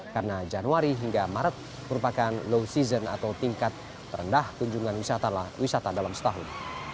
karena januari hingga maret merupakan low season atau tingkat rendah kunjungan wisata dalam setahun